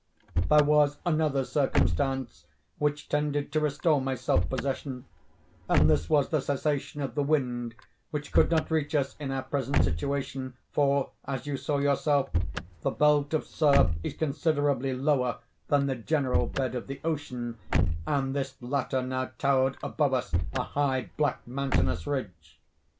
"There was another circumstance which tended to restore my self possession; and this was the cessation of the wind, which could not reach us in our present situation—for, as you saw yourself, the belt of surf is considerably lower than the general bed of the ocean, and this latter now towered above us, a high, black, mountainous ridge.